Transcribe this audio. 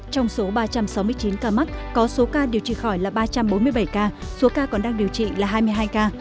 trong số ba trăm sáu mươi chín ca mắc có số ca điều trị khỏi là ba trăm bốn mươi bảy ca số ca còn đang điều trị là hai mươi hai ca